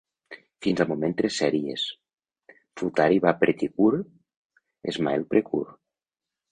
Fins al moment, tres sèries: "Futari wa Pretty Cure", "Smile PreCure".